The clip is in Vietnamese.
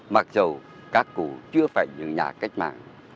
mặc dù các cụ chưa phải những nhà cách mạng